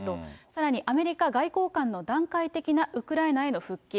さらにアメリカ外交官の段階的なウクライナへの復帰。